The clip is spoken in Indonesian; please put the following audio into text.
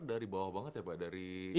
dari bawah banget ya pak dari